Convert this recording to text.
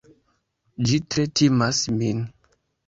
Ĝi tre timas min!